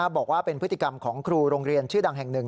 บอกว่าเป็นพฤติกรรมของครูโรงเรียนชื่อดังแห่งหนึ่ง